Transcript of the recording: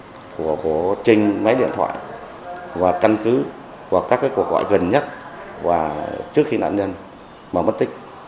nạn nhân thì căn cứ vào danh bạ để lại của trình máy điện thoại và căn cứ vào các cuộc gọi gần nhất và trước khi nạn nhân mà mất tích